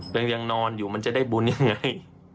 ยังนอนอยู่มันจะได้บุญยังไง